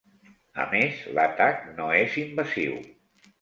A més, l'atac no és invasiu.